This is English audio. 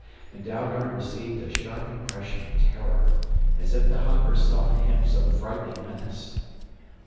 And Dalgard received a sharp impression of terror, as if the hopper saw in him some frightening menace.